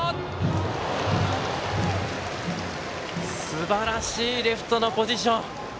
すばらしいレフトのポジション。